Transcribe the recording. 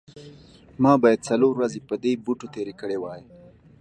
ما باید څلور ورځې په دې بوټو تیرې کړې وي